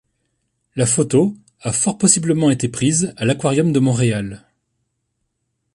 La photo a fort possiblement été prise à l'Aquarium de Montréal.